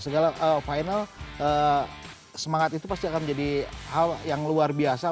semangat itu pasti akan menjadi hal yang luar biasa